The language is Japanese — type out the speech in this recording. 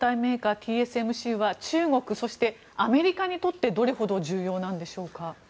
ＴＳＭＣは中国、そしてアメリカにとってどれほど重要なんでしょうか。